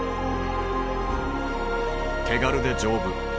手軽で丈夫。